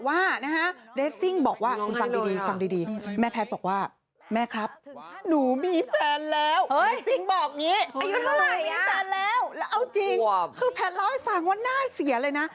เมื่อไหร่อ่ะชิคกี้พายมีแฟนแล้วแล้วเอาจริงแพทย์เล่าให้ฟังว่าหน้าเสียเลยนะ